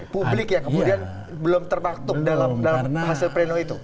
publik ya kemudian belum terpaktuk dalam hasil pleno itu